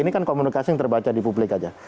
ini kan komunikasi yang terbaca di publik aja